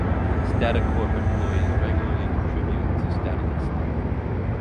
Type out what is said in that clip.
StataCorp employees regularly contribute to Statalist.